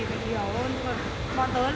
bao giờ nó không có thiệt hồi hết